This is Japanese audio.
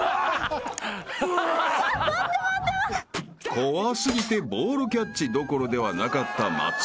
［怖過ぎてボールキャッチどころではなかった松尾］